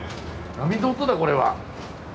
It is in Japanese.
波の音だこれは。